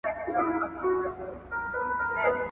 شنه بوټي د هوا کیفیت لوړوي.